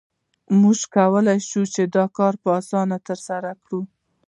موږ کولای شو دا کار په اسانۍ ترسره کړو